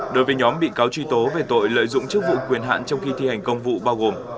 đối với nhóm bị cáo truy tố về tội lợi dụng chức vụ quyền hạn trong khi thi hành công vụ bao gồm